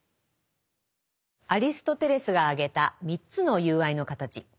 アリストテレスが挙げた３つの友愛の形。